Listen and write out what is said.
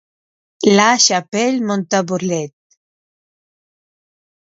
La Chapelle-Montabourlet